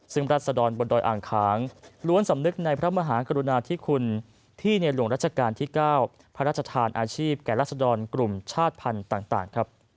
ซึ่งรัศดรบนดอยอ่างขางล้วนสำนึกในพระมหากรุณาธิคุณที่ในหลวงรัชกาลที่๙พระราชทานอาชีพแก่รัศดรกลุ่มชาติภัณฑ์ต่างครับ